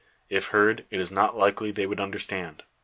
If heard, it is not likely they would understand.